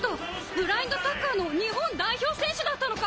ブラインドサッカーの日本代表選手だったのか！